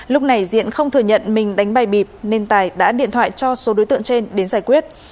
lúc này diện không thừa nhận mình đánh bài bịp nên tài đã điện thoại cho số đối tượng trên đến giải quyết